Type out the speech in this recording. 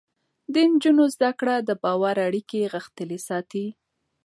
د نجونو زده کړه د باور اړیکې غښتلې ساتي.